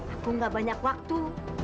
aku gak banyak waktu